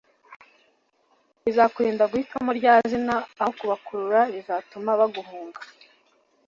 bizakurinda guhitamo rya zina aho kubakurura rizatuma baguhunga